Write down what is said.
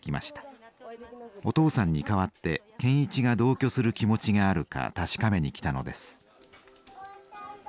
お父さんに代わって健一が同居する気持ちがあるか確かめに来たのです。